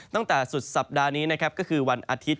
ตั้งแต่สุดสัปดาห์นี้นะครับก็คือวันอาทิตย